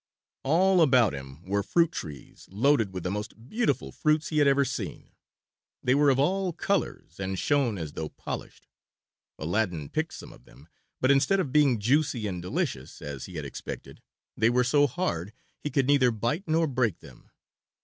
All about him were fruit trees loaded with the most beautiful fruits he had ever seen. They were of all colors, and shone as though polished. Aladdin picked some of them, but instead of being juicy and delicious as he had expected, they were so hard he could neither bite nor break them.